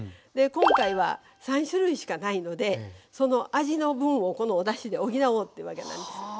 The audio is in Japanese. で今回は３種類しかないのでその味の分をこのおだしで補おうってわけなんです。